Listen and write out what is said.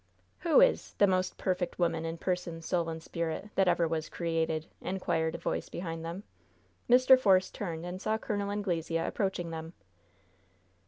"Who is 'the most perfect woman in person, soul and spirit that ever was created'?" inquired a voice behind them. Mr. Force turned and saw Col. Anglesea approaching them.